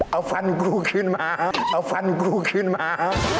เอาฟันกูขึ้นมา